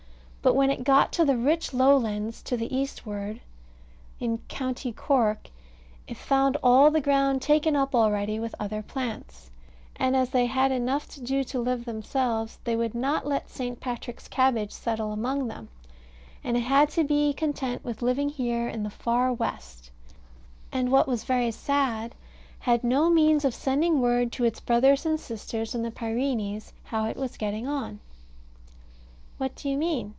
But when it got to the rich lowlands to the eastward, in county Cork, it found all the ground taken up already with other plants; and as they had enough to do to live themselves, they would not let St. Patrick's cabbage settle among them; and it had to be content with living here in the far west and, what was very sad, had no means of sending word to its brothers and sisters in the Pyrenees how it was getting on. What do you mean?